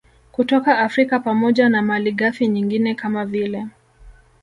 kutoka Afrika pamoja na malighafi nyingine kama vile